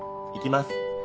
行きます。